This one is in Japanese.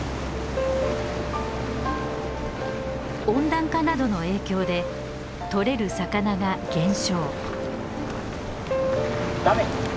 温暖化などの影響でとれる魚が減少。